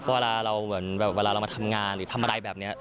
เวลาเรามาทำงานหรือทำอะไรแบบนี้